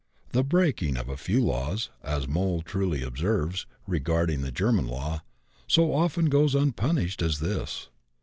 "The breaking of few laws," as Moll truly observes, regarding the German law, "so often goes unpunished as of this."